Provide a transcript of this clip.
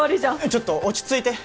ちょっと落ち着いて！